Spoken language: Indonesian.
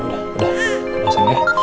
udah sayang ya